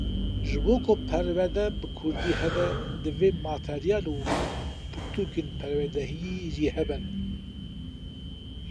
Ji bo ku perwerde bi Kurdî hebe divê meteryal û pirtûkên perwerdehiyê jî hebin.